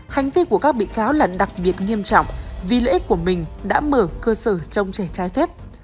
hành vi của các bị cáo là đặc biệt nghiêm trọng vì lễ của mình đã mở cơ sở trong trẻ trai phép